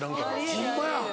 ホンマや。